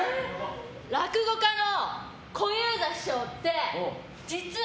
落語家の小遊三師匠って実は。